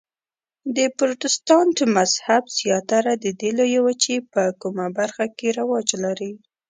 د پروتستانت مذهب زیاتره د دې لویې وچې په کومه برخه کې رواج لري؟